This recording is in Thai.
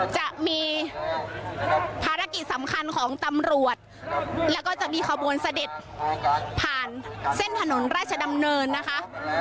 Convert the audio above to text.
จะมีภารกิจสำคัญของตำรวจแล้วก็จะมีขบวนเสด็จผ่านเส้นถนนราชดำเนินนะคะ